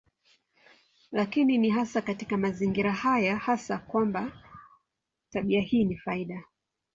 Lakini ni hasa katika mazingira haya tasa kwamba tabia hii ni faida.